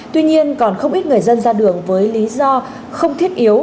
tuy nhiên còn không ít người dân ra đường với lý do không thiết yếu